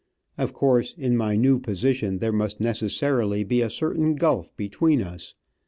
Of course, in my new position there must necessarily be a certain gulf between us.